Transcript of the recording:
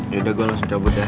yaudah gue langsung dapet dah